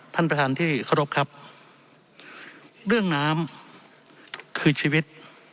ท่านประธานที่เคารพครับเรื่องน้ำคือชีวิต